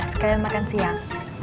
sekalian makan siang